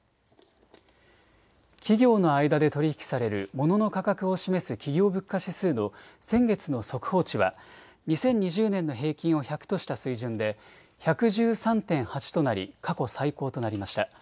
企業の間で取り引きされるモノの価格を示す企業物価指数の先月の速報値は、２０２０年の平均を１００とした水準で１１３．８となり過去最高となりました。